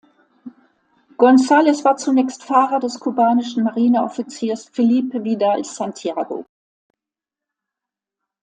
González war zunächst Fahrer des kubanischen Marineoffiziers Felipe Vidal Santiago.